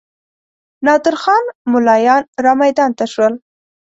نادر خان ملایان رامیدان ته شول.